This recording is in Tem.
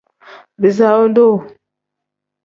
Bisaawu duu.